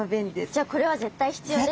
じゃあこれは絶対必要ですね。